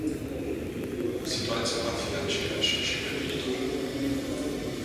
Situația va fi aceeași și pe viitor.